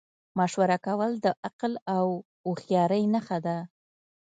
مشوره کول د عقل او هوښیارۍ نښه ده.